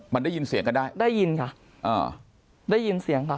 มันได้ยินเสียงก็ได้ได้ยินค่ะอ่าได้ยินเสียงค่ะ